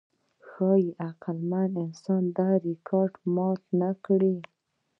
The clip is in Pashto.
ښایي عقلمن انسان دا ریکارډ مات نهکړي.